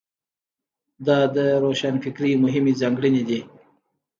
دا د روښانفکرۍ مهمې ځانګړنې دي.